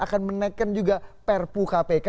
akan menaikkan juga perpu kpk